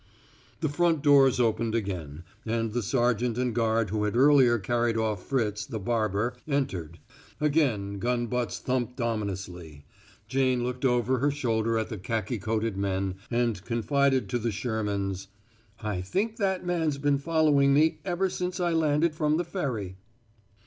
The front doors opened again, and the sergeant and guard who had earlier carried off Fritz, the barber, entered. Again gun butts thumped ominously. Jane looked over her shoulder at the khaki coated men, and confided in the Shermans: "I think that man's been following me ever since I landed from the ferry."